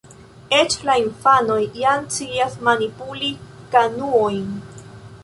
Eĉ la infanoj jam scias manipuli kanuojn.